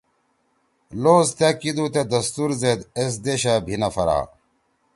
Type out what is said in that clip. لوز تأ کیِدُو تے دستور زید ایس دیشا بھی نہ پھرا